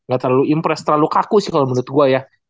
gak terlalu impress terlalu kaku sih kalau menurut gue ya